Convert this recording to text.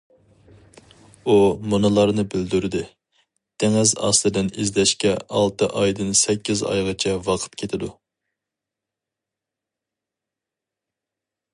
ئۇ مۇنۇلارنى بىلدۈردى: دېڭىز ئاستىدىن ئىزدەشكە ئالتە ئايدىن سەككىز ئايغىچە ۋاقىت كېتىدۇ.